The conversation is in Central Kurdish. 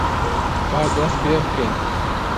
با دەست پێ بکەین!